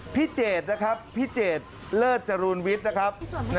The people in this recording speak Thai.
เจดนะครับพี่เจดเลิศจรูนวิทย์นะครับ